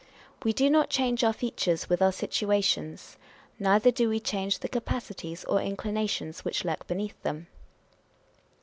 We do not change our features with our situations ; neither do we change the capacities or inclinations which lurk beneath them.